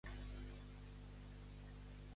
Aznar ha negat estar relacionat amb ell?